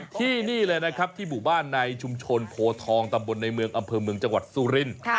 ที่นี่เลยนะครับที่หมู่บ้านในชุมชนโพทองตำบลในเมืองอำเภอเมืองจังหวัดสุรินทร์